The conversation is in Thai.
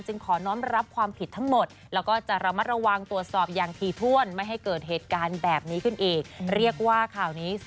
เออมีเหตุผลนะนะอืม